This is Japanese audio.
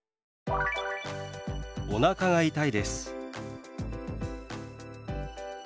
「おなかが痛いです」。